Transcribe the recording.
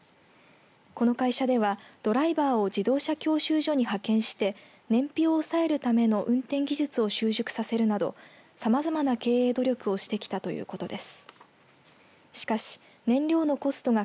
この会社ではドライバーを自動車教習所に派遣して燃費を抑えるための運転技術を習熟させるなどさまざまな経営努力をしてきたということです。